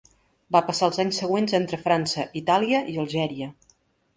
Va passar els anys següents entre França, Itàlia i Algèria.